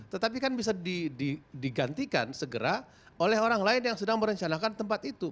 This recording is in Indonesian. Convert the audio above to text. tetapi kan bisa digantikan segera oleh orang lain yang sedang merencanakan tempat itu